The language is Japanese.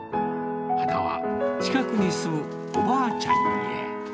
花は近くに住むおばあちゃんへ。